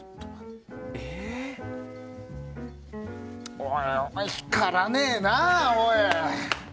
おい、お前光らねえな、おい！